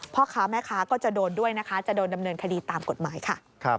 พ่อค้าแม่ค้าก็จะโดนด้วยนะคะจะโดนดำเนินคดีตามกฎหมายค่ะ